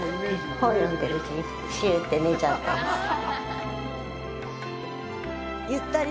本読んでるうちにしゅって寝ちゃったりして。